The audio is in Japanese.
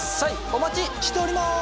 お待ちしております！